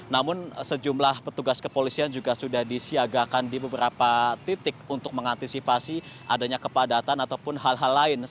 namun sejumlah petugas kepolisian juga sudah disiagakan di beberapa titik untuk mengantisipasi adanya kepadatan ataupun hal hal lain